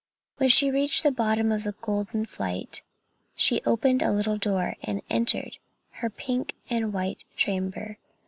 When she reached the bottom of the golden flight, she opened a little door, and entered her pink and white chamber.